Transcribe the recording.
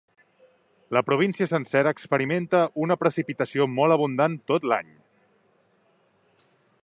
La província sencera experimenta una precipitació molt abundant tot l'any.